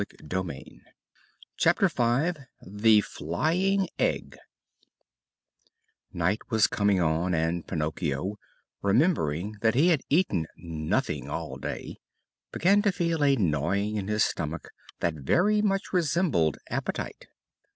CHAPTER V THE FLYING EGG Night was coming on and Pinocchio, remembering that he had eaten nothing all day, began to feel a gnawing in his stomach that very much resembled appetite.